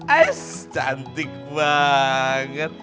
ais cantik banget